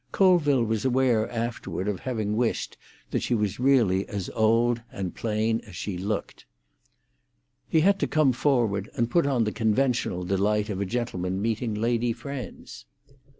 Colville was aware afterward of having wished that she was really as old and plain as she looked. He had to come forward, and put on the conventional delight of a gentleman meeting lady friends.